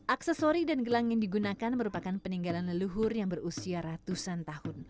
aksesori dan gelang yang digunakan merupakan peninggalan leluhur yang berusia ratusan tahun